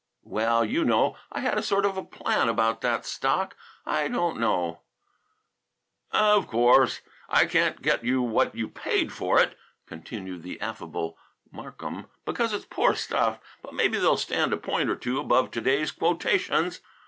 "Well, you know, I had a sort of a plan about that stock. I don't know " "Of course I can't get you what you paid for it," continued the affable Markham, "because it's poor stuff, but maybe they'll stand a point or two above to day's quotations.